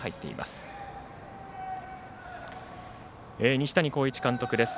西谷浩一監督です。